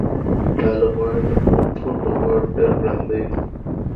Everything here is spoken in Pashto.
دا لوبغاړی تر نورو ټولو لوبغاړو ډېر ګړندی دی.